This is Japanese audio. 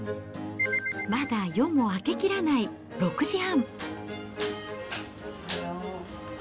まだ夜も明けきらない６時半。